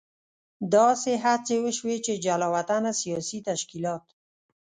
داسې هڅې وشوې چې جلا وطنه سیاسي تشکیلات.